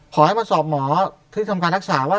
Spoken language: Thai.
ขอให้มาสอบหมอที่ทำการรักษาว่า